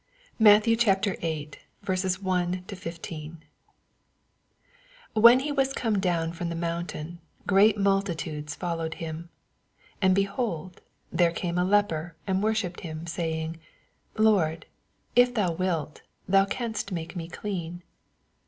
MATTHEW Vm. 1—16. 1 When he was oome down from the mountain, great multitades fol lowed him. 2 And. behold, there came a leper and worsnipped him, saying, Lord, if thoa wilt, tnou canst make me clean.